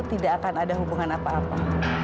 tidak akan ada hubungan apa apa